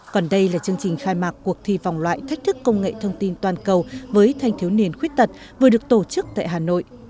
còn đây là chương trình khai mạc cuộc thi vòng loại thách thức công nghệ thông tin toàn cầu với thanh thiếu niên khuyết tật vừa được tổ chức tại hà nội